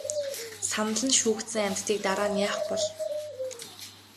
Санал нь шүүгдсэн амьтдыг дараа нь яах бол?